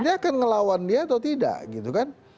dia akan ngelawan dia atau tidak gitu kan